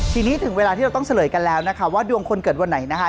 ทีนี้ถึงเวลาที่เราต้องเฉลยกันแล้วนะคะว่าดวงคนเกิดวันไหนนะคะ